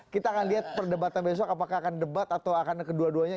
kita akan lihat perdebatan besok apakah akan debat atau akan kedua duanya